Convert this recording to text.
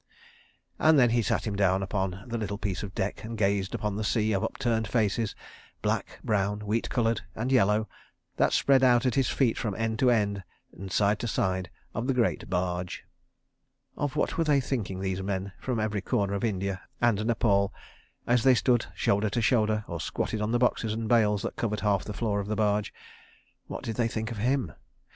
And then he sat him down upon the little piece of deck and gazed upon the sea of upturned faces, black, brown, wheat coloured, and yellow, that spread out at his feet from end to end and side to side of the great barge. Of what were they thinking, these men from every corner of India and Nepal, as they stood shoulder to shoulder, or squatted on the boxes and bales that covered half the floor of the barge? What did they think of him?